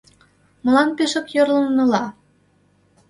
— Молан пешак йорлын ила?